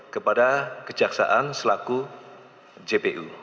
kepada kejaksaan selaku jpu